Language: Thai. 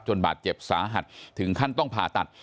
บาดเจ็บสาหัสถึงขั้นต้องผ่าตัด